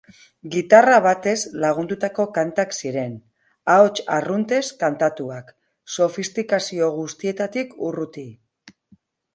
Gitarra batez lagundutako kantak ziren, ahots arruntez kantatuak, sofistikazio guztietatik urruti.